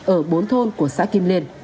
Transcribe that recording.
ở bốn thôn của xã kim liên